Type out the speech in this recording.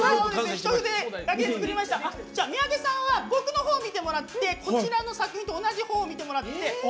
三宅さんは僕のほうを見てもらってこちらの作品と同じほうを見てもらって。